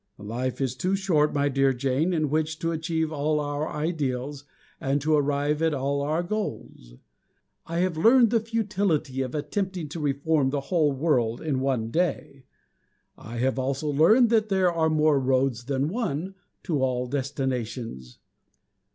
Life is too short, my dear Jane, in which to achieve all our ideals, and to arrive at all our goals. I have learned the futility of attempting to reform the whole world in one day. And I have also learned that there are more roads than one, to all destinations.